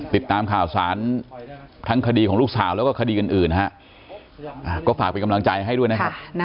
ติดตามข่าวสารทั้งคดีของลูกสาวแล้วก็คดีอื่นนะฮะก็ฝากเป็นกำลังใจให้ด้วยนะครับ